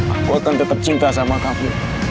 aku akan tetap cinta sama kami